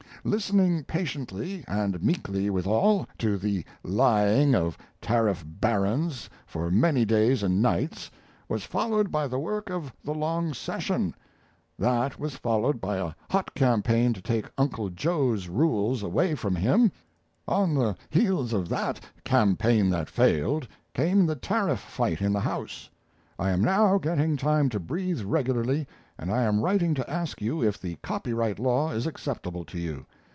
Listening patiently and meekly, withal, to the lying of tariff barons for many days and nights was followed by the work of the long session; that was followed by a hot campaign to take Uncle Joe's rules away from him; on the heels of that "Campaign that Failed" came the tariff fight in the House. I am now getting time to breathe regularly and I am writing to ask you if the copyright law is acceptable to you.